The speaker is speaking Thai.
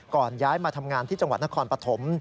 ย้ายมาทำงานที่จังหวัดนครปฐม